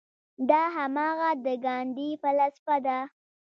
دا هماغه د ګاندي فلسفه ده.